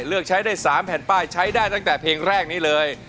เลือกใช้ได้๓แผ่นป้ายใช้ได้ตั้งแต่เพลงแรกนี้เลย